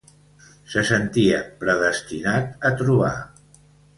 Se sentia predestinat a trobar.